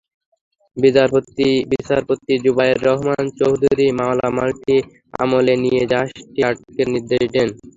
বিচারপতি জুবায়ের রহমান চৌধুরী মামলাটি আমলে নিয়ে জাহাজটি আটকের নির্দেশ দেন।